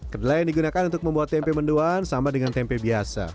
kedelai yang digunakan untuk membuat tempe mendoan sama dengan tempe biasa